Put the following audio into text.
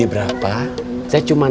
berapa saja man